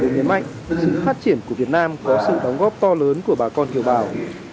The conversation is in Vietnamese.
nhấn mạnh sự phát triển của việt nam có sự đóng góp to lớn của bà con kiều bào